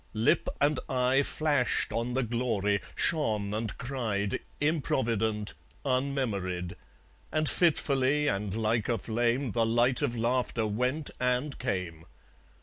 Lip and eye Flashed on the glory, shone and cried, Improvident, unmemoried; And fitfully and like a flame The light of laughter went and came.